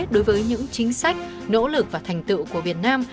đối với những chính sách nỗ lực và thành tựu của việt nam